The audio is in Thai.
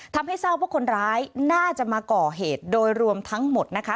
ทำให้ทราบว่าคนร้ายน่าจะมาก่อเหตุโดยรวมทั้งหมดนะคะ